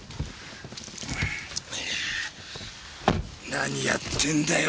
何やってんだよ